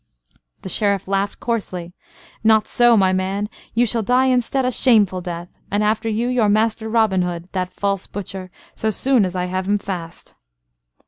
The Sheriff laughed coarsely: "Not so, my man; you shall die instead a shameful death, and after you your master, Robin Hood, that false butcher, so soon as I have him fast."